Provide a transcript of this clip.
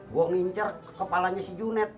gue ngincer kepalanya si junet